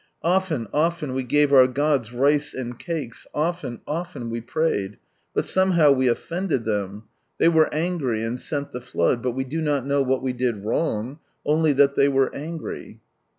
" Often, often we gave our gods rice and cakes, often, often we prayed ; but somehow we offended them. They were angry, and sent the flood ; but we do not know what we did wrong, only they were angry."